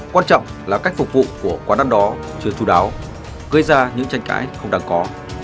quan trọng là cách phục vụ của quán ăn đó chưa chú đáo gây ra những tranh cãi không đáng có